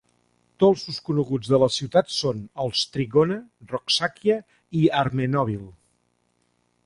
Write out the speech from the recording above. Dolços coneguts de la ciutat són els "Trigona", "Roxakia" i "Armenovil".